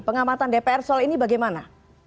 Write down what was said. pengamatan dpr soal ini bagaimana